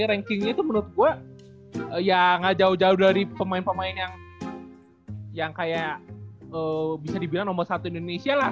rankingnya itu menurut gue ya gak jauh jauh dari pemain pemain yang kayak bisa dibilang nomor satu indonesia lah